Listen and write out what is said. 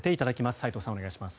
斎藤さん、お願いします。